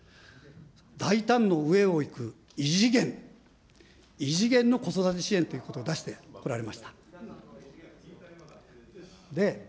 大胆の上をいく異次元、異次元の子育て支援ということを出してこられました。